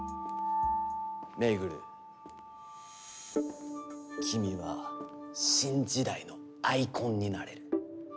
周君は新時代のアイコンになれる。